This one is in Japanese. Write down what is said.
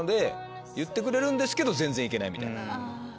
言ってくれるんですけど全然行けないみたいな。